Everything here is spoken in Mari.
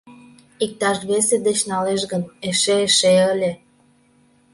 Иктаж весе деч налеш гын, эше-эше ыле.